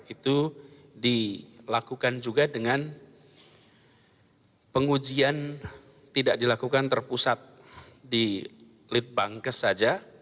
itu dilakukan juga dengan pengujian tidak dilakukan terpusat di litbangkes saja